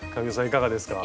いかがですか？